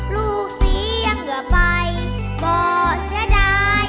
ลูกเสียงเหงื่อไปบอกเสื้อดาย